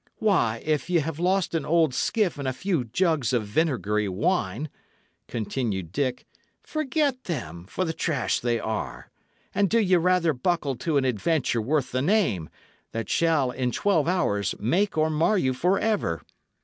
"Why, if ye have lost an old skiff and a few jugs of vinegary wine," continued Dick, "forget them, for the trash they are; and do ye rather buckle to an adventure worth the name, that shall, in twelve hours, make or mar you for ever.